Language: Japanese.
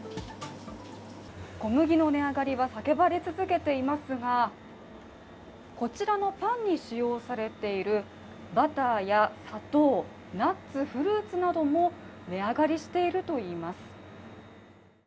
小麦の値上がりは叫ばれ続けていますがこちらのパンに使用されているバターや砂糖、ナッツ、フルーツなども値上がりしているといいます。